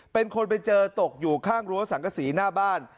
เป็นคนไปเจอตกอยู่ข้างรั้วสังกษีหน้าบ้าน